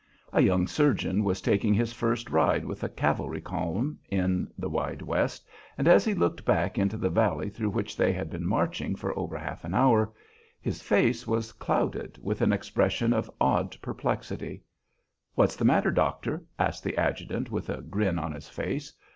A young surgeon was taking his first ride with a cavalry column in the wide West, and, as he looked back into the valley through which they had been marching for over half an hour, his face was clouded with an expression of odd perplexity. "What's the matter, doctor?" asked the adjutant, with a grin on his face.